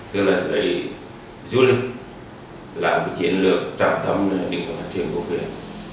tức là dưới lực làm chiến lược trọng tâm để phát triển vô quyền